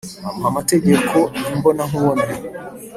amuha amategeko imbonankubone,